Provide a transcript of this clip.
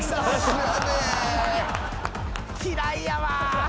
嫌いやわ。